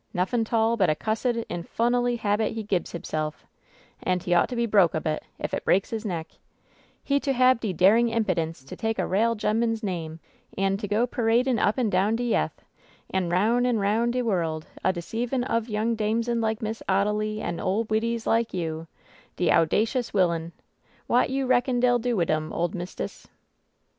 Nuffin' 'tall but a cussed, inf unally habit he gibs hisse'f I And he ought to be broke ob it, if it breaks his neck 1 He to hab de darin' impidence to take a rale gemman's name an' to go paradin' up an' down de yeth an' roun' an' roun' de worl' a deceivin' ob young damsins like Miss Odilly an' ole widdies like you — de owdacious willyun I Wot you reckon dey'U do wid him, ole mist'ess